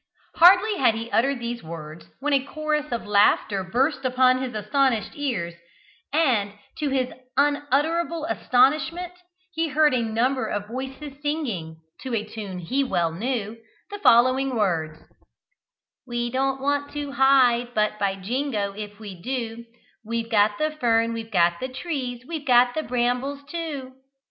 Hardly had he uttered these words, when a chorus of laughter burst upon his astonished ears; and to his unutterable astonishment he heard a number of voices singing, to a tune he well knew, the following words: "We don't want to hide; but by Jingo, if we do, We've got the fern we've got the trees We've got the brambles too."